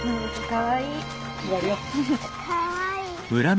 かわいい。